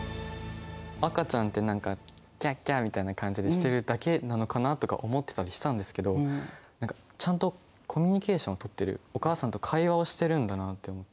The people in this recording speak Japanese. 赤ちゃんって何かキャッキャッみたいな感じでしてるだけなのかなとか思ってたりしたんですけど何かちゃんとコミュニケーションをとってるお母さんと会話をしてるんだなって思って。